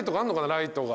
ライトが。